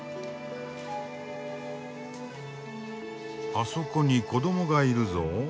あそこに子どもがいるぞ。